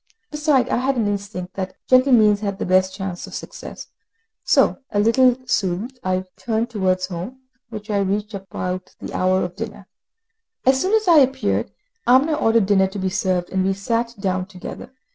Besides, I had an instinct that gentle means had the best chance of success; so, a little soothed, I turned towards home, which I reached about the hour of dinner. As soon as I appeared, Amina ordered dinner to be served, and we sat down together.